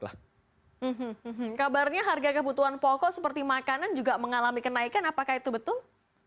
kabarnya harga kebutuhan pokok seperti makanan juga mengalami kenaikan apakah itu betul